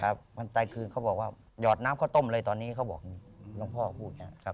วันตายคืนเขาบอกว่าหยอดน้ำข้าวต้มเลยตอนนี้เขาบอกหลวงพ่อพูดอย่างนั้นครับ